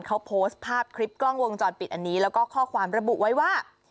เขาโพสต์ภาพคลิปกล้องวงจรปิดอันนี้แล้วก็ข้อความระบุไว้ว่า